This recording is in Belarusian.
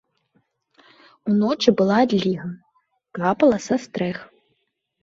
Уночы была адліга, капала са стрэх.